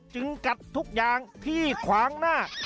กัดทุกอย่างที่ขวางหน้า